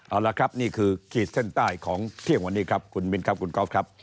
เอาละครับนี่คือขีดเส้นใต้ของเที่ยงวันนี้ครับคุณมินครับคุณก๊อฟครับ